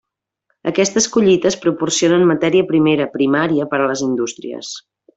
Aquestes collites proporcionen matèria primera primària per a les indústries.